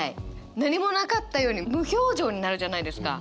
何もなかったように無表情になるじゃないですか。